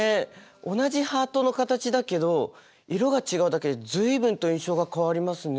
同じハートの形だけど色が違うだけで随分と印象が変わりますね。